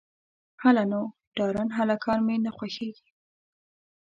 _هله نو، ډارن هلکان مې نه خوښېږي.